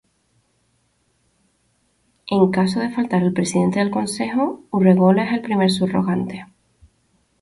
En caso de faltar el Presidente del Consejo Urrejola es el primer subrogante.